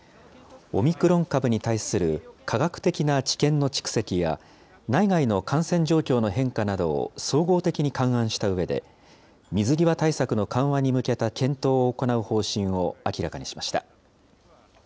オミクロン株に対する科学的な知見の蓄積や、内外の感染状況の変化などを総合的に勘案したうえで、水際対策の緩和に向けた検討を行う方針を明らかにしました。